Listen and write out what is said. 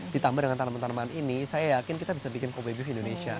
ditambah dengan tanaman tanaman ini saya yakin kita bisa bikin kobe beef indonesia